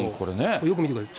よく見てください。